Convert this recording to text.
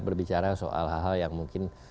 berbicara soal hal hal yang mungkin